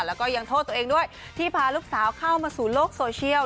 แล้วก็ยังโทษตัวเองด้วยที่พาลูกสาวเข้ามาสู่โลกโซเชียล